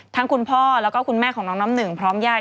คุณพ่อแล้วก็คุณแม่ของน้องน้ำหนึ่งพร้อมญาติ